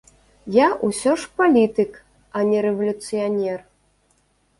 Я ўсе ж палітык, а не рэвалюцыянер.